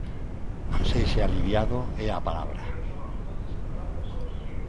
Non sei se aliviado é a palabra.